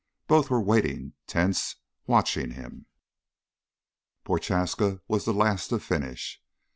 Both were waiting, tense, watching him. Prochaska was the last to finish.